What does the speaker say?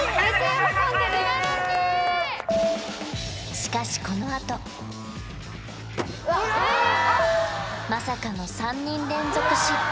しかしこのあとまさかの３人連続失敗